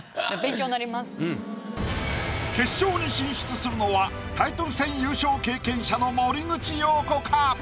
決勝に進出するのはタイトル戦優勝経験者の森口瑤子か？